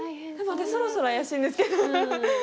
私そろそろ怪しいんですけど。